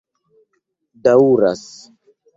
daŭras